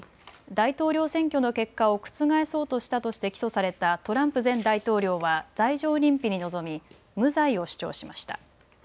大統領選挙の結果を覆そうとしたとして起訴されたトランプ前大統領は罪状認否に臨み無罪を主張しました。